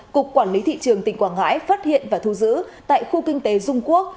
cục quản lý thị trường tỉnh quảng ngãi phát hiện và thu giữ tại khu kinh tế dung quốc